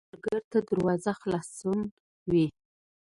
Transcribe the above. سوالګر ته دروازه خلاصون وي